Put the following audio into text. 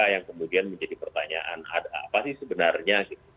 yang kemudian menjadi pertanyaan apa sih sebenarnya